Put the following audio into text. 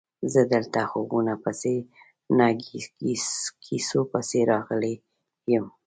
زه دلته خوبونو پسې نه کیسو پسې راغلی یم.